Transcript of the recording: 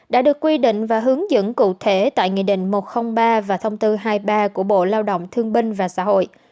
đã được quy định và hướng dẫn cụ thể tại nghị định một trăm linh ba và thông tư hai mươi ba của bộ lao động thương binh và xã hội